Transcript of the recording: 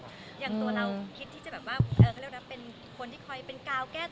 อย่างตัวเราคิดที่จะแบบว่าเขาเรียกนะเป็นคนที่คอยเป็นกาวแก้ตัว